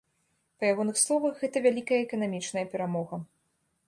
Па ягоных словах, гэта вялікая эканамічная перамога.